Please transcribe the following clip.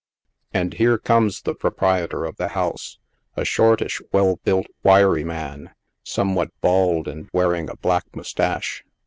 And here comes the proprietor of the house — a shortish, well built, wiry man, somewhat bald, and wearing a black moustache.